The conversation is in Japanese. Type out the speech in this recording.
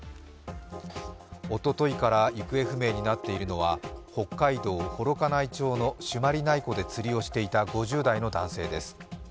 おとといから行方不明になっているのは北海道幌加内町の朱鞠内湖で釣りをしていた５０代の男性です。